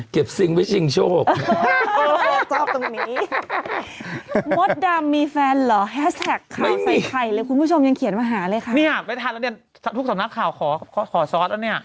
เขียนมาหาเลยค่ะเนี่ยไม่ทันแล้วเนี่ยทุกสำนักข่าวขอขอซอสแล้วเนี่ย